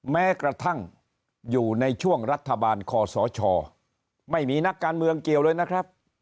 แม้กระทั่งอยู่ในช่วงรัฐบาลคอสชไม่มีนักการเมืองเกี่ยวเลยนะครับ